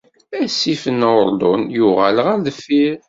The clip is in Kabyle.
Asif n Uṛdun yuɣal ɣer deffir.